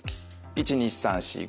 １２３４５。